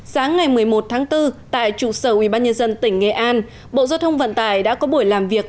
sáng ngày một mươi một tháng bốn tại trụ sở ubnd tỉnh nghệ an bộ giao thông vận tải đã có buổi làm việc